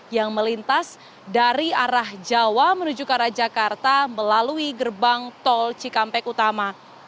yang melintas dari arah jawa menuju ke arah jakarta melalui gerbang tol cikampek utama